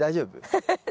ハハハッ。